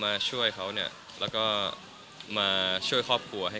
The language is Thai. ช่วยเขาเนี่ยแล้วก็มาช่วยครอบครัวให้